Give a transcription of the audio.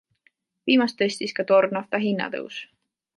Viimast tõstis ka toornafta hinnatõus.